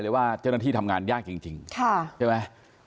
ว่าเจ้าหน้าที่ทำงานยากจริงใช่ไหม